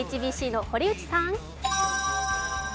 ＨＢＣの堀内さん。